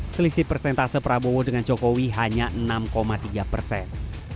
selisih persentase prabowo dengan jokowi hanya enam tiga persen